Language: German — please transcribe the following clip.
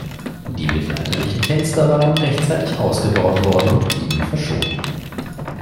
Die mittelalterlichen Fenster waren rechtzeitig ausgebaut worden und blieben verschont.